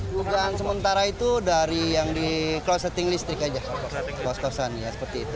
dugaan sementara itu dari yang di kloseting listrik saja